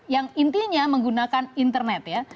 yang intinya menggunakan internet ya